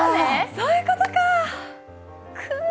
そういうことか。